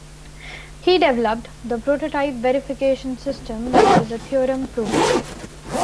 He developed the Prototype Verification System, which is a theorem prover.